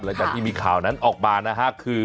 หลังจากที่มีข่าวนั้นออกมานะฮะคือ